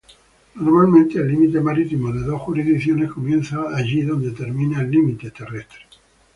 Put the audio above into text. Normalmente el límite marítimo de dos jurisdicciones comienza allí donde termina el límite terrestre.